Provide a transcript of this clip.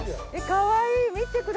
かわいい！